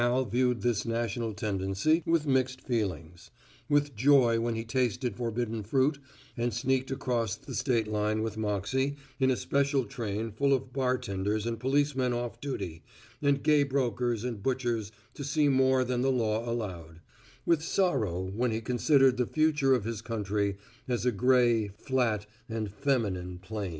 Al viewed this national tendency with mixed feelings; with joy when he tasted forbidden fruit and sneaked off across the state line with Moxey in a special train full of bartenders and policemen off duty and gay brokers and butchers to see more than the law allowed; with sorrow when he considered the future of his country, as a gray, flat and feminine plain.